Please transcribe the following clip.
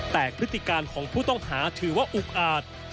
แต่พฤติการของผู้ต้องหาถือว่าอุกอาจ